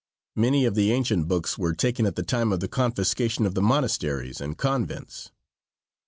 Many of the ancient books were taken at the time of the confiscation of the monasteries and convents.